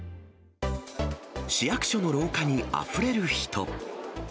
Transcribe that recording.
市役所の廊下にあふれる人。